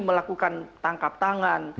melakukan tangkap tangan